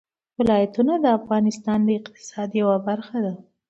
ولایتونه د افغانستان د اقتصاد یوه برخه ده.